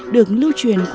được lưu truyền khóa